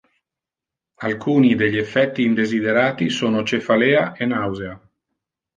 Alcuni degli effetti indesiderati sono cefalea e nausea.